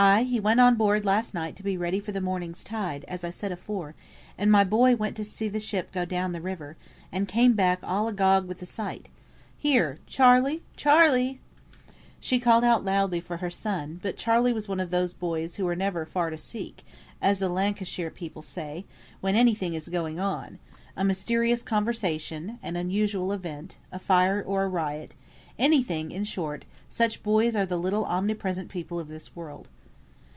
"Ay, he went on board last night to be ready for the morning's tide, as I said afore, and my boy went to see the ship go down the river, and came back all agog with the sight. Here, Charley, Charley!" She called out loudly for her son: but Charley was one of those boys who are never "far to seek," as the Lancashire people say, when any thing is going on; a mysterious conversation, an unusual event, a fire, or a riot, any thing, in short; such boys are the little omnipresent people of this world.